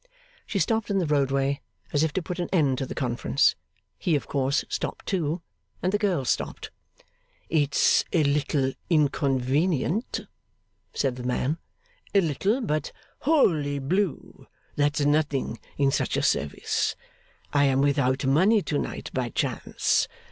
She stopped in the roadway, as if to put an end to the conference. He of course stopped too. And the girl stopped. 'It's a little inconvenient,' said the man. 'A little. But, Holy Blue! that's nothing in such a service. I am without money to night, by chance.